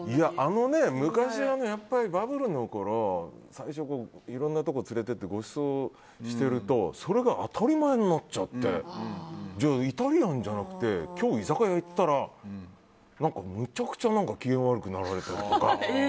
昔は、バブルのころ最初からいろんなところ連れて行ってごちそうしているとそれが当たり前になっちゃってイタリアンじゃなくて居酒屋行ったらむちゃくちゃ機嫌悪くなられたりとか。